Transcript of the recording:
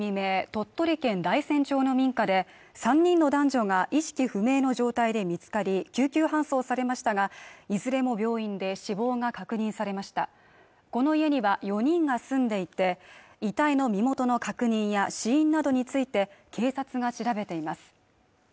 鳥取県大山町の民家で３人の男女が意識不明の状態で見つかり救急搬送されましたがいずれも病院で死亡が確認されましたこの家には４人が住んでいて遺体の身元の確認や死因などについて警察が調べています